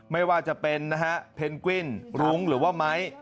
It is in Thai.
ไม่ว่าจะเป็นนะฮะเพนกวินรุ้งหรือว่าไม้